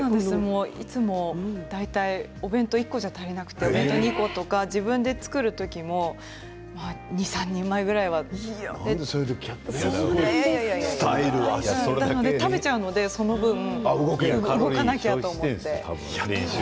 いつもお弁当１つじゃ足りなくて、２つとか自分で作る時も２、３人前ぐらいは食べちゃうのでその分、動かなきゃと思って。